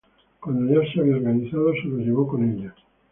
Cuando ya se había organizado se los llevó con ella.